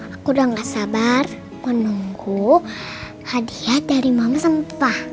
aku udah gak sabar menunggu hadiah dari mama sampah